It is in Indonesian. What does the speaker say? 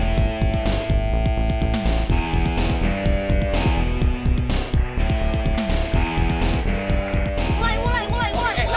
mulai mulai mulai